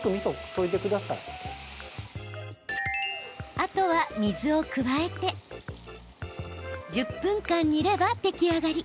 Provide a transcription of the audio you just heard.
あとは水を加えて１０分間煮れば出来上がり。